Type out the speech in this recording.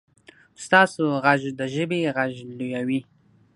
ستاسو غږ د ژبې غږ لویوي.